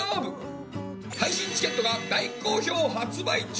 配信チケットが大好評発売中！